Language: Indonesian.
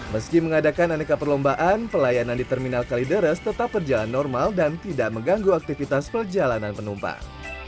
meski mengadakan aneka perlombaan pelayanan di terminal kalideres tetap berjalan normal dan tidak mengganggu aktivitas perjalanan penumpang